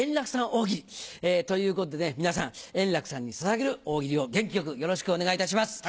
大喜利ということでね、皆さん、円楽さんにささげる大喜利を元気よく、よろしくお願いいたします。